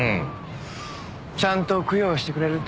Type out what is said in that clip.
ちゃんと供養してくれるってさ。